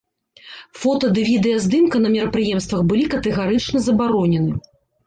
Фота ды відэаздымка на мерапрыемствах былі катэгарычна забаронены.